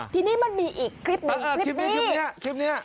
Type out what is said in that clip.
ทีนี้มันมีอีกคลิปหนึ่งคลิปนี้